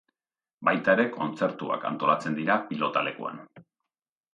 Baita ere kontzertuak antolatzen dira pilotalekuan.